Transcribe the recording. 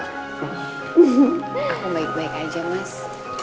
hmm aku baik baik aja mas